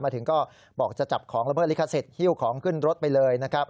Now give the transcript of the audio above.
ถึงก็บอกจะจับของระเบิดลิขสิทธิหิ้วของขึ้นรถไปเลยนะครับ